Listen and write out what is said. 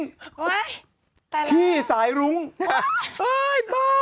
ไอ้ตายแล้วขี้สายรุ้งเอ้ยบ้า